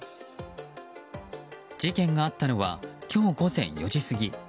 事件があったのは今日午前４時過ぎ